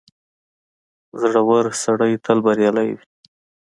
• زړور سړی تل بریالی وي.